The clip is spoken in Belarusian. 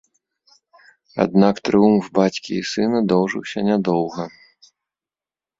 Аднак трыумф бацькі і сына доўжыўся нядоўга.